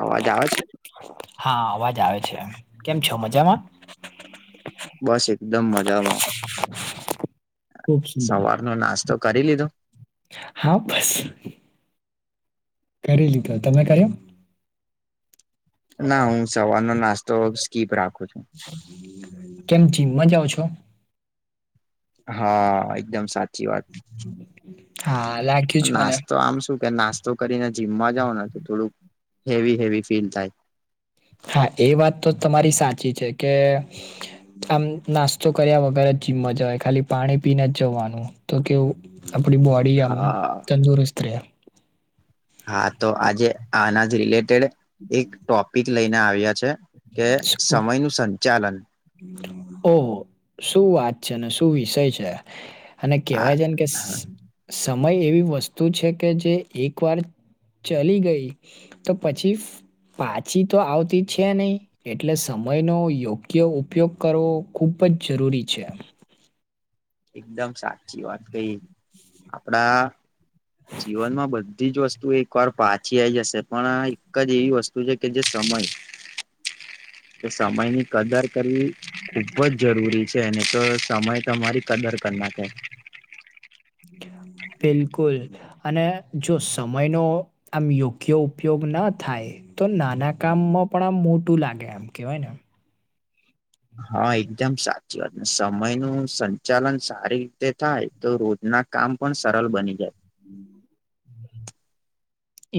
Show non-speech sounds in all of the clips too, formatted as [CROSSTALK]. અવાજ આવે છે હા અવાજ આવે છે કેમ છો મજામાં બસ એકદમ મજામાં ખુબ સુંદર સવાર નો નાસ્તો કરી લીધો [INAUDIBLE] કરી લીધા તમે કર્યા ના હું સવારનો નાસ્તો સ્કીપ રાખું છું [INAUDIBLE] હા એકદમ સાચી વાત હા આલ નાસ્તો આમ શું કે નાસ્તો કરીને જીમમાં જાાવ ને તો થોડુંક હેવી હેવી ફીલ થાય હા એ વાત તો તમારી સાચી છે કે આમ નાસ્તો કર્યા વગર જ જિમમાં જવાય ખાલી પાણી પીને જ જવાનું તો કેવું આપણી બોડી આમ હા તંદુરસ્ત રહે હા તો આજે આનાજ રિલેટેડ એક ટોપિક લઈને આવ્યા છે કે સમય નું સંચાલન ઓહ શું વાત છે અને શું વિષય છે અને આ કહેવાય છેને કે સ ચલી ગઈ તો પછી ફ [INAUDIBLE] એકદમ સાચી વાત કહી આપડા જીવનમાં બધી જ વસ્તુ ુ એક વાર પાછી આઈ જશે પણ આ એક જ એવી વસ્તુ છે કે જે સમય [INAUDIBLE] ખુબ જ જરૂરી છે ને તો સમય તમારી કદર કરી નાખે બિલકુલ અને જો સમયનો આમ યોગ્ય ઉપયોગ ના થાય તો નાના કામ માં [INAUDIBLE] હા એકદમ સાચી વાત ને સમય નું સંચાલન સારી રીતે થાય. તો રોજના કામ પણ સરળ બની જાય. [INAUDIBLE]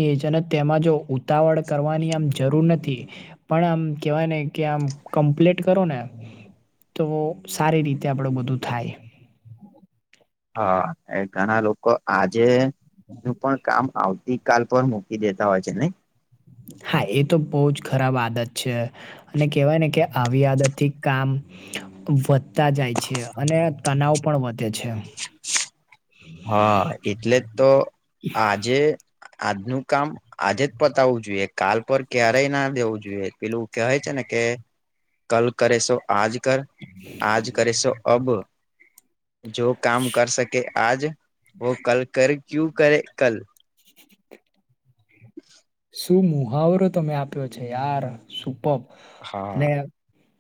એ જ અને તેમાં જો ઉતાવળ કરવાની આમ જરૂર નથી. પણ આમ કેવાય ને કે આમ કમ્પ્લીટ કરો ને તો સારી રીતે આપણું બધું થાય હા એ ઘણા લોકો આજે નું પણ કામ આવતી કાલ પર મૂકી દેતા હોય છે ને હા એ તો બહુ જ અને કેહેવાય ને કે આવી આદત થી કામ તા જાય છે અને તનાવ પણ વધે છે હા એટલે જ તો આજે આજનું કામ આજે જ પતાવવું જોઈએ કાલ પર ક્યારેય ના દેવું જોઈએ પેલું કહેવાય છે ને કે કલ કર એ સો આજ કર આજ કરીેશો અબ જો કામ કર શકે. આજ વ કલ કર ક્યુ કરે કલ. [INAUDIBLE] શું મુહાવરો તમે આપ્યો છે યાર સુપ હા અને.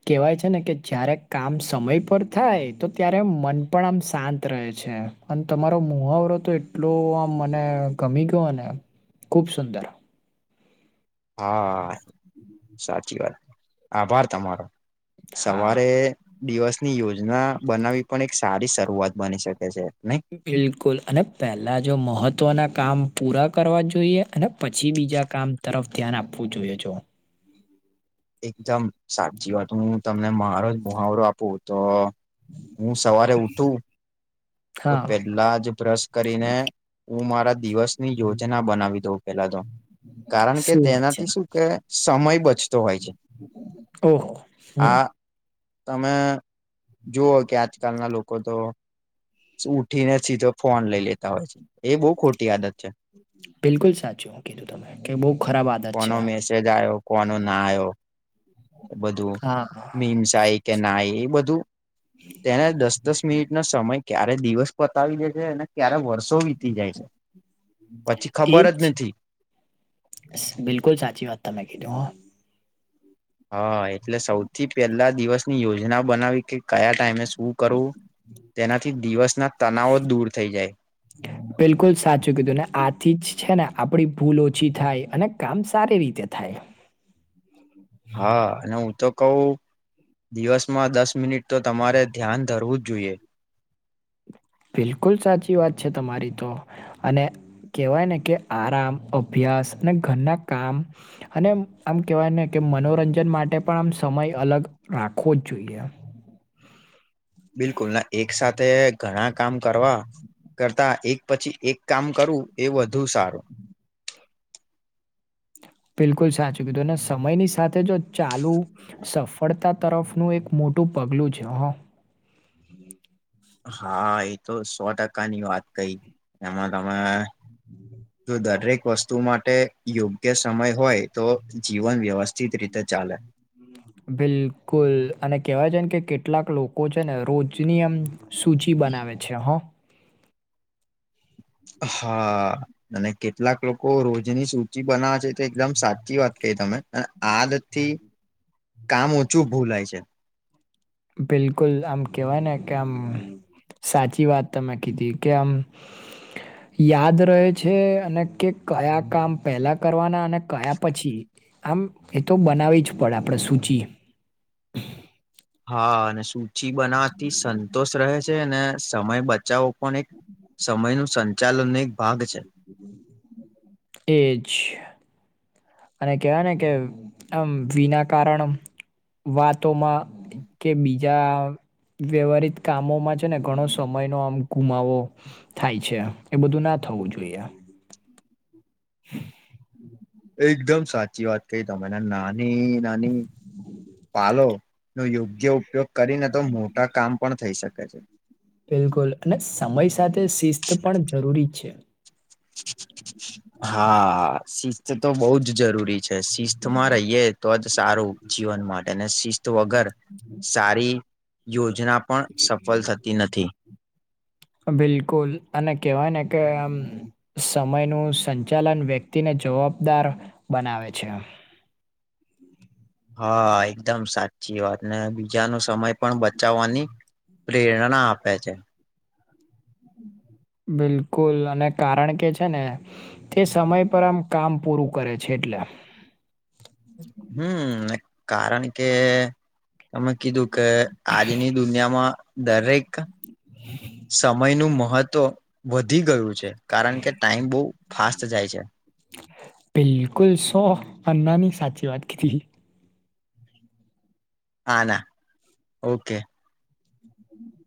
કહેવાય છે ને કે જયારે કામ સમય પર થાય તો ત્યારે મન. પણ આમ શાંત રહે છે અને તમારો મુહાવરો તો એટલો આમ મને ગમી ગયો ને. ખૂબ સુંદર. હા સાચી વાત આભાર તમારો. હા. સવારે દિવસની યોજના બનાવી પણ એક. સારી શરૂઆત બની શકે છે ન. બિલકુલ અને પહેલા જો મહત્વના કામ પૂરા કરવા જોઈએ અને પછી બીજા કામ. તરફ ધ્યાન આપવું જોઈએ છો. એકદમ સાચી વાત હું તમને મારો જ મુહાવરો આપું તો. હું સવારે ઉઠું. તો હા પેલા જ બ્રશ કરીને હું મારા દિવસ. ની યોજના બનાવી દઉ પેલા તો કારણ કે શું વાત છે તેનાથી શું. કે સમય બચતો હોય છે ઓહો હમ આ. તમે જુઓ કે આજકાલના લોકો તો. ઉઠી ને સીધો ફોન લઈ લેતા હોય છે એ બહુ ખોટી આદત છે. બિલકુલ સાચુંું કીધું તમે કે બહુ ખરાબ આદત કોનો છે. મેસેજ આવ્યો કોનો ના આવ્યો એ બધું હા મીમ સા. કે ના એ બધું તેને દસ દસ મિનિટ ન સમય. ક્યારે દિવસ પતાવી દે છે અને ક્યારે વર્ષો. શ વીતી જાય છે પછી ખબર જ એજ નથી. બિલકુલ સાચી વાત ત મેં કીધું હ. હા એટલે સૌથી પેલા દિવસની યોજના બનાવી કે કયા ટાઈમે શું. કરું તેનાથી દિવસ ના તનાવો દૂર થઈ જાય. હ. બિલકુલ સાચું કીધું ને આથી જ છે ને આપડી ભૂલ ઓછી થાય અને કામ સારી રીતે થાય. હા અને હું તો કહ દિવસમાં દસ મિનિટ. તો તમારે ધ્યાન ધરવું જ જોઈએ. બિલકુલ સાચી વાત છે તમારી તો. અને કેહેવાય ને કે આરામ અભ્યાસ અને ઘરના કામ. અને આમ કેવાય ને કે મનોરંજન માટે પણ આ સમય અલગ રાખવો જ જોઈએ. બિલકુલ ના એક સાથે. ઘણા કામ કરવા કરતા એક પછી એક કામ કરવું એ વધુ સારું. બિલકુલ સાચું કીધું સમયની સાથે જો ચાલુ. સફળતા તરફનું એક મોટું પગલું છે હ. હા એ તો સો ટકાની વાત કઈ એમાં તમે. જો દરેક વસ્તુ માટે યોગ્ય સમય હોય તો જીવન વ્યવસ્થિત રીતે ચાલે. બિલકુલ અને કેવાય છેને કે કેટલાક લોકો છે ને રોજની એમ. સૂચિ બનાવે છે હં. હા. અને કેટલાક લોકો રોજની સૂચિ બનાવે છે તો એકદમ સાચી વાત કહી તમે. આદત થી કામ ઓછું ભૂલાય છે. બિલકુલ આમ કેવાય ને કે આમ સાચી વાત તમે કીધી. કેમ. [INAUDIBLE] યાદ રહે છે અને કે કયા કામ પહેલા કરવાના અને કયા પછી. આમ એ તો બનાવી જ પડે આપણેે સૂચિ. હા અને સૂચ બનાતી સંતોષ રહે અને સમય બચાવો પણ એક સમય નું સંચાલનને એક ભાગ છે એજ [UNINTELLIGIBLE] અને કહેવાય ને કે આમ વિના કારણ વાતોમાં કે બીજા વ્યવહારિત કામોમાં છે ને ઘણો સમય નો આમ ગુમાવો થાય છે એ બધું ના થવું જોઈએ હ [INAUDIBLE] [UNINTELLIGIBLE] એકદમ સાચી વાત કહી તમે નાની નાની પાાલો નો યોગ્ય ઉપયોગ કરીને તો મોટા કામ પણ થઈ શકે છે બિલકુલ અને સમય સાથે શિસ્ત પણ જરૂરી છે હા શિસ્ત તો બહ જ જરૂરી શિસ્ત માં રહીએ તો જ સારું જીવન માટે અને શિસ્ત વગર સારી યોજના પણ સફળ થતી નથી. બિલકુલ અને કેવાય ને કે આમ સમયનું સંચાલન વ્યક્તિને જવાબદાર બનાવે છે હા એકદમ સાચી વાત ને બીજા ન સમય પણ બચાવવાની પ્રેરણાણા આપે છે બિલકુલ અને કારણ કે છે ને તે સમય પર આમ કામ પૂરું કરે છે એટલે હમ કારણ કે તમે કીધું કે આજની દુનિયામાં દરેક સમય નું મહત્વ વધી ગયું છે કારણ કે ટાઈમ બહુ ફાસ્ટ જાય છે બિલકુલ સો અન્નાની સાચી વાત ક હ ના ઓકે હમ [INAUDIBLE] [UNINTELLIGIBLE]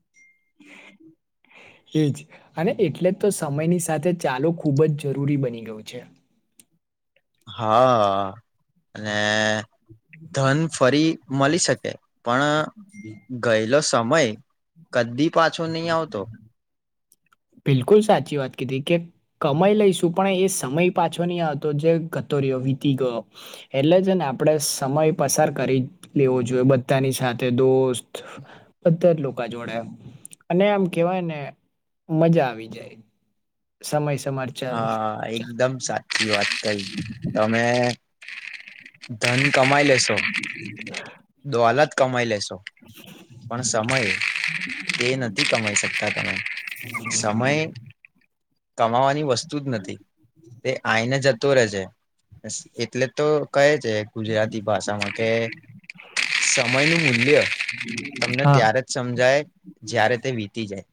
[INAUDIBLE] [UNINTELLIGIBLE] એ જ અને એટલે જ તો સમયની સાથે ચાલો ખૂબ જ જરૂરી બની ગયું છે હા અને ધન ફરી મળી શકે પણ ગયેલો સમય કદી પાછો નહી આવતો બિલકુલ સાચી વાત ક હતીી કે કમાઈ લઈશું પણ એ સમય પાછો નહી હતો જે ગતોર્યો વીતી ગયો એટલે જ ને આપણેે સમય પસાર કરી લેવો જોઈએ બધાની સાથે દોસ્ત બધા જ લોકો જોડે અને આમ કેવાય ને મજા આવી જાય સમય સમમારચ હા એક એકદમ સાચી વાત કઈ તમે ધન કમાઈ લેશો દો હલા જ કમાઈ લેશો પણ સમય તે નથી કમાઈ શકતા તમે સમય કમાવાની વસ્તુ વત જ નથી તે આઈને જતો રહે છે એટલે તો કહે છે ગુજરાતી ભાષામાં કે સમયનું મૂલ્ય તમને હા ત્યારે સમજાય જ્યારે તે વીતી જાય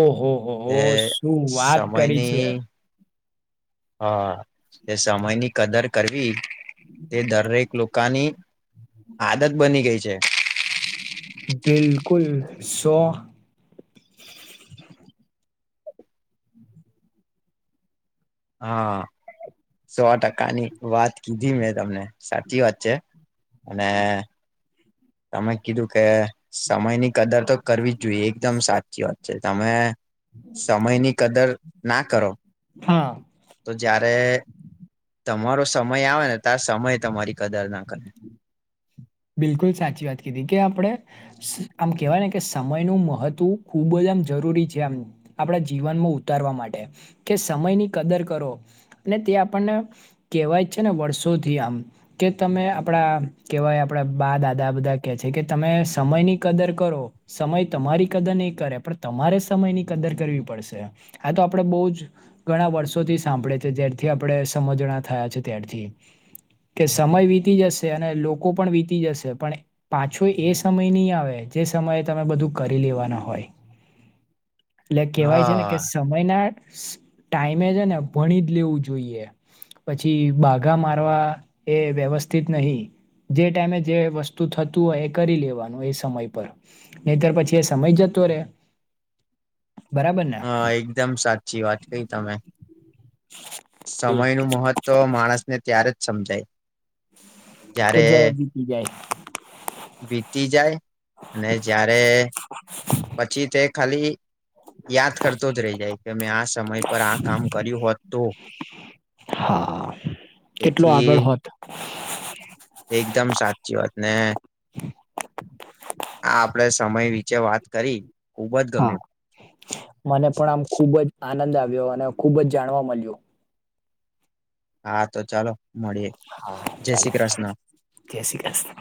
ઓહો હો હો એ શું વાત કરી છે સમયની હા તે સમય ની કદર કરવી તે દરેક લોકોની આદત બની ગઈ છે બિલકુલ સો હા સો ટકા ની વાત કીધી મેં તમને સાચી વાત છે અને તમે કીધું કે સમય ની કદર તો કરવી જ જોઈએ એકદમ સાચી વાત છે તમે સમય ની કદર ના કરો હા. તો જયારે તમારો સમય આવે ને તાર સમય તમારી કદર ના કરે બિલકુલ સાચી વાત કીધી કે આપણે. આમ કેહેવાય ને કે સમયનું મહત્વ ખૂબ જ આમ જરૂરી છે આમ આપણા જીવનમાં ઉતારવા માટે કે સમય ની કદર કરો તે આપણને. કહેવાય છે ને વર્ષોથી આમ કે તમે આપડા કેહેવાય. આપડા બા દાદા બધા કે છે કે તમે સમય ની કદર કરો સમય તમારી કદર નહીં કરે પણ તમારે સમયની કદર કરવી પડશે. આ તો આપડે બહુ જ ઘણા વર્ષોથી સાંભળે છે જ્યારથી આપણે સમજણા થયા છે. ત્યારથી કે સમય વીતી જશે અને લોકો પણ વીત જશે પણ પાછો એ સમય નહી આવે જે સમયે તમે બધું કરી લેવાના હોય. [INAUDIBLE] એટલે કેવાય છે ને હા કે સમ યના ટાઈમે છે ને ભણી જ લેવું જોઈએ. પછી બાઘા મારવા એ વ્યવસ્થિત નહી જે ટાઈમે જે વસ્તુ થતું હોય એ કરી લેવાનું એ સમય પર. નહી તર પછી એ સમય જતો રે બરાબર ને હા એકદમ સાચી વાત કઈ તમે સમયનું મહત્ત્વ માણસને ત્યારે જ સમજાય જયારે કે જરા દીતી જાય વીતી જાય અને જારે પછી તે ખાલી યાદ કરતો જ રહી જાય કે મેમે આ સમય પર આ કામ કર્યું હોત તો હા કેટલું તેથી આગળ હોત એકદમ સાચી વાત ને આ આપડે સમય વિચે વાત કરી ખુબ જ હા ગમ્યું મને પણ આમ ખુબ જ આનંદ આવ્યો અને ખુબ જ જાણવા મળ્યું હા તો ચાલો મળીએે હા જય ચાલો શ્રી કૃષ્ણ જય શ્રી કૃષ્ણ.